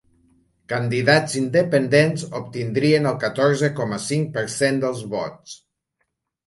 Candidats independents obtindrien el catorze coma cinc per cent dels vots.